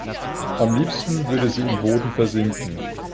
Am liebsten würde sie im Boden versinken.